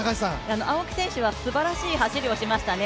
青木選手はすばらしい走りをしましたね。